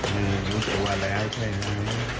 มึงรู้ตัวแล้วใช่ไหม